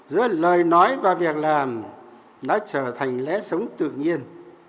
giữa lời nói và việc làm nó trở thành lẽ sống tự nhiên